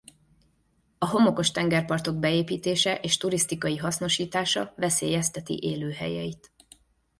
A homokos tengerpartok beépítése és turisztikai hasznosítása veszélyezteti élőhelyeit.